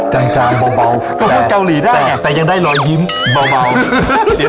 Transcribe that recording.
จังจังเบาเบาเดี๋ยวพูดเกาหลีได้แต่แต่ยังได้รอยยิ้มเบาเบาเดี๋ยวเดี๋ยว